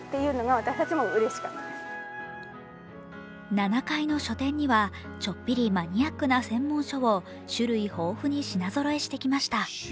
７階の書店には、ちょっぴりマニアックな専門書を種類豊富に品ぞろえしてきました。